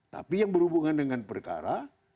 tapi yang berhubungan dengan perkara